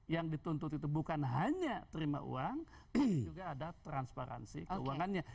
yang dituntut itu bukan hanya terima uang tapi juga ada transparansi keuangannya